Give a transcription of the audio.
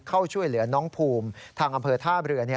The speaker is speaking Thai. เข้าช่วยเหลือน้องภูมิทางอำเภอท่าเรือ